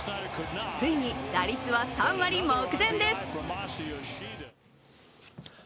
ついに打率は３割目前です。